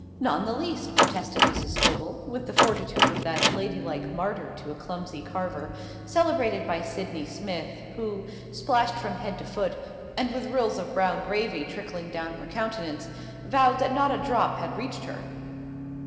"Not in the least." protested Mrs. Scobel, with the fortitude of that ladylike martyr to a clumsy carver, celebrated by Sydney Smith, who, splashed from head to foot, and with rills of brown gravy trickling down her countenance, vowed that not a drop had reached her.